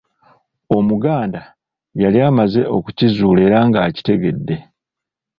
Omuganda yali amaze okukizuula era ng'akitegedde